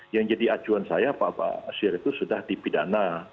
yang jadi acuan saya pak basir itu sudah dipidana